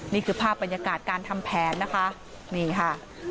นี่คือภาพบรรยากาศการทำแผนนะคะนี่ค่ะ